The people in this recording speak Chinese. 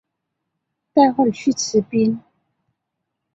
待会去吃冰